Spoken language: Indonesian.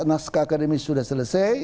nasca akademis sudah selesai